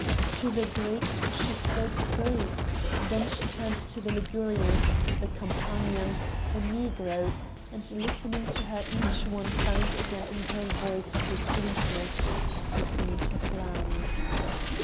To the Greeks she spoke Greek; then she turned to the Ligurians, the Campanians, the Negroes, and listening to her each one found again in her voice the sweetness of his native land.